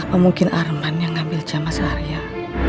apa mungkin arman yang ngambil jam seharian